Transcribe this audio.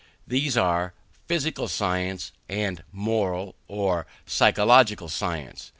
These are, physical science, and moral or psychological science.